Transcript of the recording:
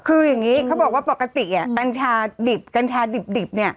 คือยังงี้เขาบอกว่าปกติกัญชาดิบ